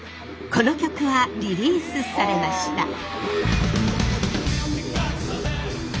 この曲はリリースされました。